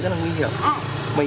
rất là nguy hiểm